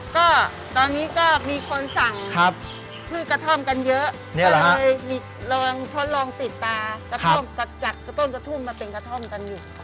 ก็ตอนนี้ก็มีคนสั่งพืชกระท่อมกันเยอะก็เลยลองทดลองติดตากระท่อมจากกระต้นกระทุ่มมาเป็นกระท่อมกันอยู่